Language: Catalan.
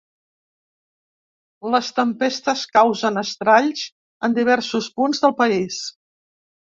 Les tempestes causen estralls en diversos punts del país.